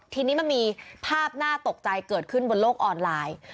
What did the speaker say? ทีนี้มันมีภาพน่าตกใจเกิดขึ้นบนโลกออนไลน์